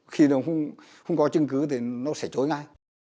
khi mà không có chứng cứ thì nó sẽ trối ngay